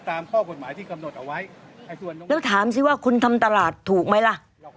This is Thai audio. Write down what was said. ตามข้อกฎหมายที่กำหนดเอาไว้แล้วถามสิว่าคุณทำตลาดถูกไหมล่ะ